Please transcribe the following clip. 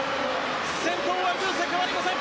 先頭はグルセ、変わりません。